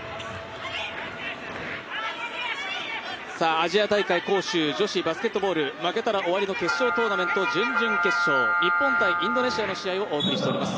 アジア大会、杭州女子バスケットボール負けたら終わりの決勝トーナメント準々決勝、日本×インドネシアの試合をお送りしております。